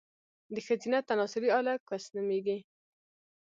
د ښځينه تناسلي اله، کوس نوميږي